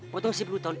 potong sepuluh tahun